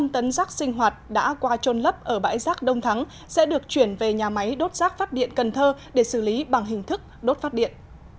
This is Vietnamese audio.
một trăm linh tấn rác sinh hoạt đã qua trôn lấp ở bãi rác đông thắng sẽ được chuyển về nhà máy đốt rác phát điện cần thơ để xử lý bằng hình thức đốt phát điện